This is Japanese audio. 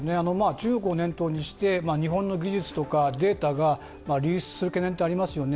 中国を念頭にして、日本の技術とか、データが流出する懸念ってありますよね。